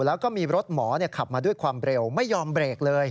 แล้วก็มีรถหมอขับมาด้วยความเร็วไม่ยอมเบรกเลย